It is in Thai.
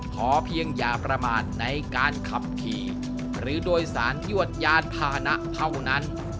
ขอเพียงอย่าประมาณในการขับขี่หรือโดยสารยวดยานพาหนะเท่านั้น